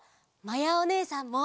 まやおねえさんも！